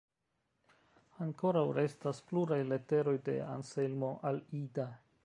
Ankoraŭ restas pluraj leteroj de Anselmo al Ida.